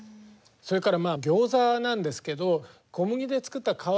それからまあギョーザなんですけど小麦で作った皮